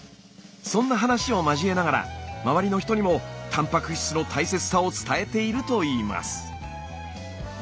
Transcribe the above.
そんな話を交えながら周りの人にもたんぱく質の大切さを伝えているといいます。